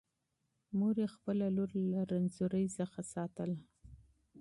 مور یې خپله لور له ناروغۍ څخه ژغورله.